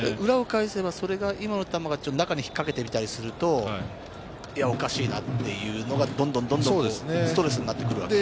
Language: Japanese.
裏を返せば今の球が中に引っ掛けたりするとおかしいなというのがどんどんストレスになってくるんですか？